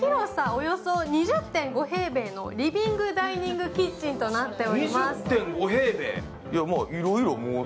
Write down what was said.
およそ２０．５平米のリビングダイニングキッチンとなっております。